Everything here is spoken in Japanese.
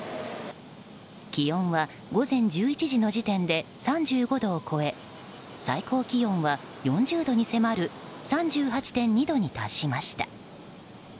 気温は午前１１時の時点で３５度を超え最高気温は４０度に迫る３８．２度に達しました。